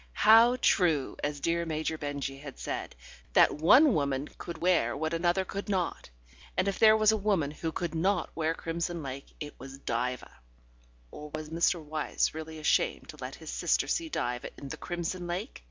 How true, as dear Major Benjy had said, that one woman could wear what another could not. ... And if there was a woman who could not wear crimson lake it was Diva. ... Or was Mr. Wyse really ashamed to let his sister see Diva in the crimson lake?